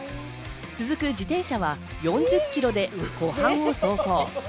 続く自転車は４０キロで湖畔を走行。